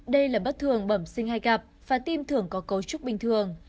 đây là bất thường bẩm sinh hay gặp và tim thường có cấu trúc bình thường